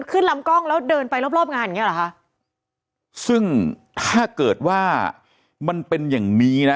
ขึ้นลำกล้องแล้วเดินไปรอบรอบงานอย่างเงี้เหรอคะซึ่งถ้าเกิดว่ามันเป็นอย่างนี้นะ